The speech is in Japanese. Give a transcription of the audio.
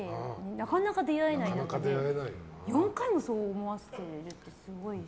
なかなか出会えない中で４回もそう思わせるってすごいですね。